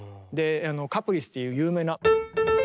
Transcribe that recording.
「カプリース」という有名な。